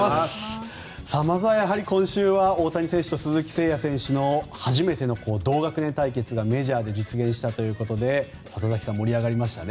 まずは今週は大谷選手と鈴木誠也選手の初めての同学年対決がメジャーで実現したということで里崎さん、盛り上がりましたね。